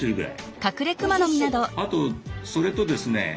あとそれとですね